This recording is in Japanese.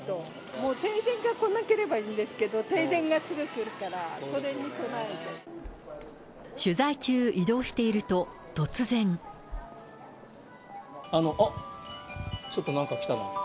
もう停電が来なければいいんですけど、停電がすぐ来るから、それ取材中、移動していると、突あっ、ちょっとなんかきたね。